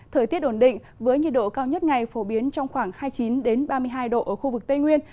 thời tiết ổn định với nhiệt độ cao nhất ngày phổ biến trong khoảng hai mươi chín ba mươi hai độ ở khu vực tây nguyên